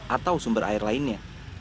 atau sumber air lainnya